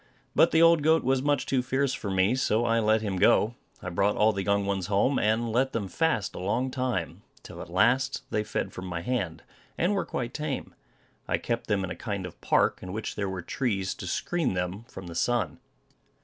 But the old goat was much too fierce for me, so I let him go. I brought all the young ones home, and let them fast a long time, till at last they fed from my hand, and were quite tame. I kept them in a kind of park, in which there were trees to screen them from the sun.